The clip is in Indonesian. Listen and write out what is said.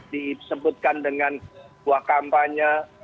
disebutkan dengan buah kampanye